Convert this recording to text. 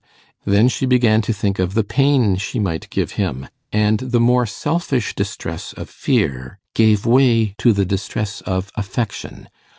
Then she began to think of the pain she might give him, and the more selfish distress of fear gave way to the distress of affection.